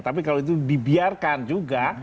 tapi kalau itu dibiarkan juga